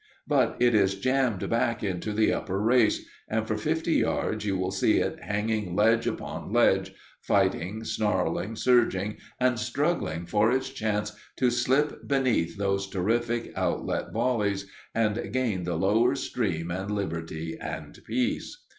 But it is jammed back into the upper race, and for fifty yards you will see it hanging, ledge upon ledge, fighting, snarling, surging, and struggling for its chance to slip beneath those terrific outlet volleys and gain the lower stream and liberty and peace.